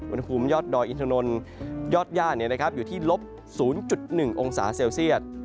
อุณหภูมิยอดดอยอินทนนยอดย่าอยู่ที่ลบ๐๑องศาเซลเซียต